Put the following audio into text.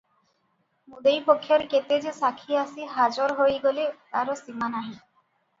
ମୁଦେଇ ପକ୍ଷରେ କେତେ ଯେ ସାକ୍ଷୀ ଆସି ହାଜର ହୋଇଗଲେ ତାର ସୀମା ନାହିଁ ।